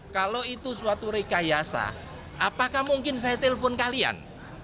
kalau itu suatu rekayasa apakah mungkin saya telepon kalian